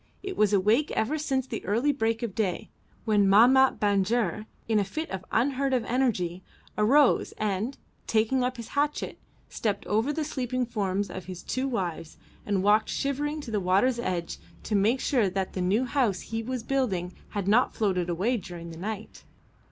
It was awake ever since the early break of day, when Mahmat Banjer, in a fit of unheard of energy, arose and, taking up his hatchet, stepped over the sleeping forms of his two wives and walked shivering to the water's edge to make sure that the new house he was building had not floated away during the night.